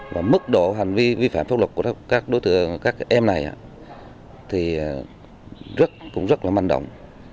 và mức độ hành vi vi phạm pháp luật của các em này thì cũng rất là manh động